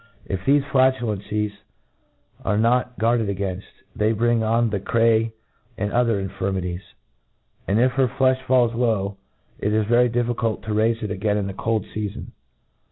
If thefe flatulencies are not guard* ed againft^ they bring on the craj and other in ^ firmities : And, if her fleilh falls tew, it is very difficult to raiiib it again in the cold feafon.